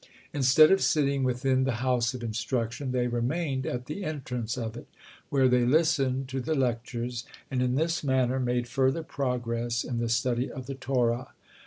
Instead of sitting within the house of instruction, they remained at the entrance of it, where they listened to the lectures, and in this manner made further progress in the study of the Torah.